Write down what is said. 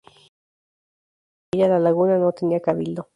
Pese a ser una villa, La Laguna no tenía cabildo.